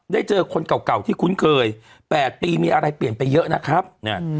ได้เจอคนเก่าเก่าที่คุ้นเคยแปดปีมีอะไรเปลี่ยนไปเยอะนะครับอืม